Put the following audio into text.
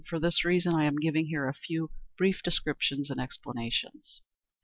For this reason I am giving here a few brief definitions and explanations.